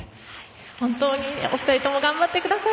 本当にお二人とも頑張ってください。